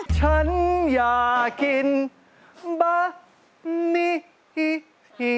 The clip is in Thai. ฉันอยากกินบะนี้